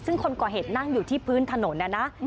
ซึ่งคนก่อเหตุนั่งอยู่ที่พื้นถนนนะนะ